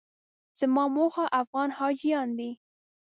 زما موخه افغان حاجیان دي.